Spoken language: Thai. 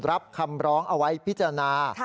รับคำร้องเอาไว้พิจารณา